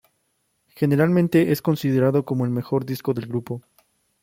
Generalmente es considerado como el mejor disco del grupo.